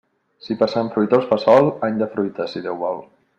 Si per Sant Fruitós fa sol, any de fruita, si Déu vol.